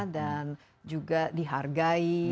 dan juga dihargai